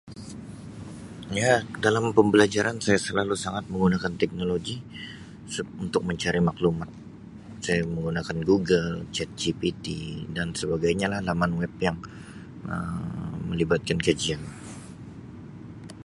Ya dalam pembelajaran saya selalu sangat menggunakan teknologi seb untuk mencari maklumat saya menggunakan Google, Chat GPT dan sebagainya lah laman web yang Um melibatkan kajian.